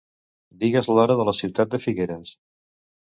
Digues l'hora de la ciutat de Figueres.